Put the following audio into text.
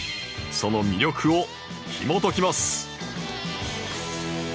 その魅力をひもときます！